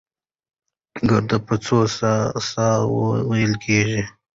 ګړه په څو ساه وو وېل کېږي؟